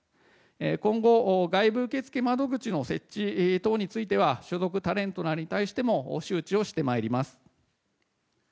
今後、外部受付窓口の設置等については所属タレントらに対しても周知をしてまいります。